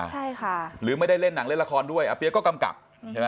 ใช่ค่ะหรือไม่ได้เล่นหนังเล่นละครด้วยอาเปี๊ยกก็กำกับใช่ไหม